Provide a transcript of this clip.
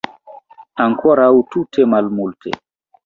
Ankoraŭ tute malmulte.